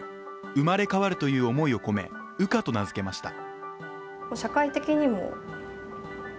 生まれ変わるという思いを込め、「羽化」と名付けました。